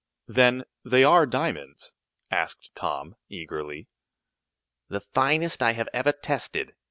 "Then they are diamonds?" asked Tom, eagerly. "The finest I have ever tested!"